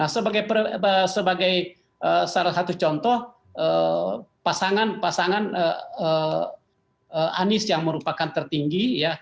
sebagai satu contoh pasangan anies yang merupakan tertinggi